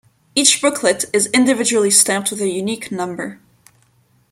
Each booklet is individually stamped with a unique number.